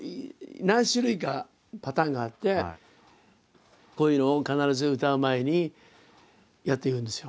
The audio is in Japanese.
何種類かパターンがあってこういうのを必ず歌う前にやっているんですよ。